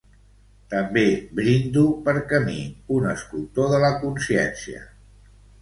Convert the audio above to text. També, brindo per Camí, un escultor de la consciència.